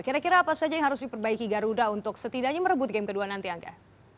kira kira apa saja yang harus diperbaiki garuda untuk setidaknya merebut game kedua nanti angga